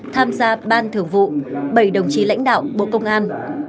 tham gia ban thưởng vụ bảy đồng chí lãnh đạo bộ công an